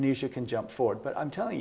akan menjadi lebih penting